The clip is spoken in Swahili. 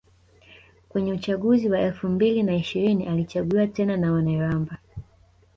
Kwenye uchaguzi wa elfu mbili na ishirini alichaguliwa tena na wana Iramba